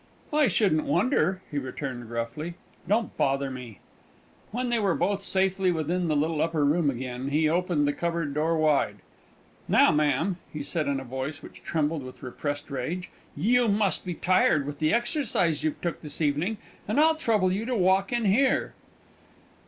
"I shouldn't wonder," he returned gruffly. "Don't bother me!" When they were both safely within the little upper room again, he opened the cupboard door wide. "Now, marm," he said, in a voice which trembled with repressed rage, "you must be tired with the exercise you've took this evening, and I'll trouble you to walk in here."